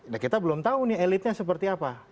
nah kita belum tahu nih elitnya seperti apa